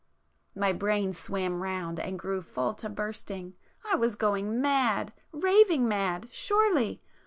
My brain swam round and grew full to bursting,—I was going mad,—raving mad surely!